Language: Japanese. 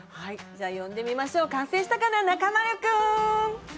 じゃあ呼んでみましょう完成したかな中丸君。